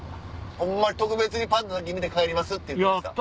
ホンマに特別にパンダだけ見て帰りますって言ってました。